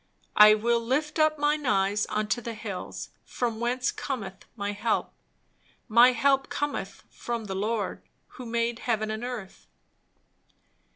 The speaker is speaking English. "I will lift up mine eyes unto the hills, from whence cometh my help. My help cometh from the Lord, who made heaven and earth."